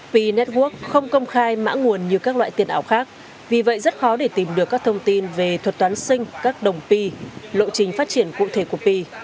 p network không công khai mã nguồn như các loại tiền ảo khác vì vậy rất khó để tìm được các thông tin về thuật toán sinh các đồng p lộ trình phát triển cụ thể của p